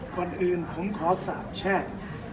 ก่อนอื่นผมขอสาบแช่ง